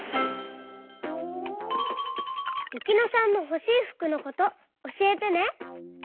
ゆきのさんのほしいふくのことおしえてね。